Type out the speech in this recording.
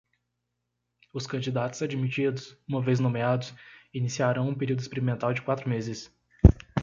Os candidatos admitidos, uma vez nomeados, iniciarão um período experimental de quatro meses.